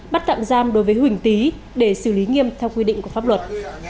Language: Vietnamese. bắt tạm giam đối với huỳnh tý để xử lý nghiêm theo quy định của pháp luật